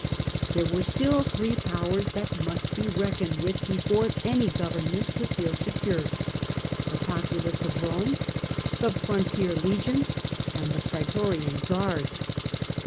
There were still three powers that must be reckoned Nerva's with before any government could feel Jbr populace of Rome, the frontier poorer citi Icgions, and the praetorian guards.